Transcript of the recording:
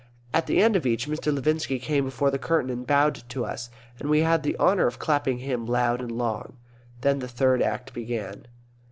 At the end of each Mr. Levinski came before the curtain and bowed to us, and we had the honour of clapping him loud and long. Then the Third Act began....